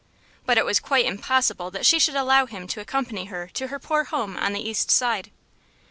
But it was quite impossible that she should allow him to accompany her to her poor home on the East Side.